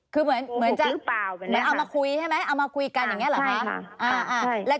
คือเหมือนจะเอามาคุยใช่ไหมเอามาคุยกันอย่างนี้เหรอคะ